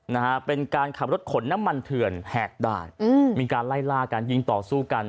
นะฮะเป็นการขับรถขนน้ำมันเถื่อนแหกด่านอืมมีการไล่ล่าการยิงต่อสู้กัน